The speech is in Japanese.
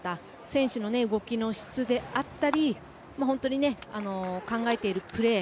選手の動きの質であったり本当に、考えているプレー